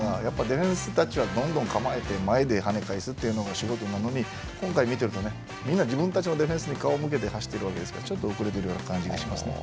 ディフェンスたちはどんどん構えて前で跳ね返すのが仕事なのに、今回見てるとみんな自分たちのディフェンスに顔を向けて走っているのでちょっと遅れている感じがします。